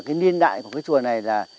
cái niên đại của cái chùa này là